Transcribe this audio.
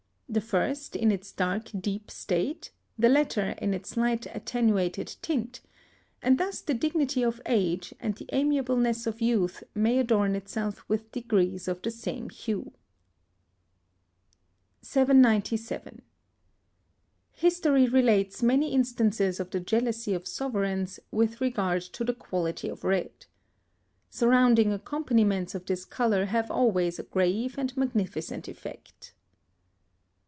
The first in its dark deep state, the latter in its light attenuated tint; and thus the dignity of age and the amiableness of youth may adorn itself with degrees of the same hue. 797. History relates many instances of the jealousy of sovereigns with regard to the quality of red. Surrounding accompaniments of this colour have always a grave and magnificent effect.